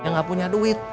yang gak punya duit